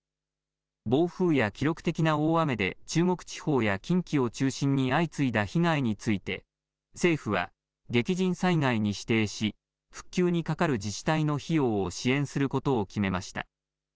暴風や記録的な大雨で中国地方や近畿を中心に相次いだ被害について政府は激甚災害に指定し復旧にかかる自治体の費用を支援することを決めました。